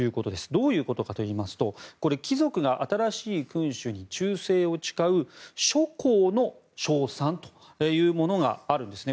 どういうことかといいますと貴族が新しい君主に忠誠を誓う諸侯の称賛というものがあるんですね。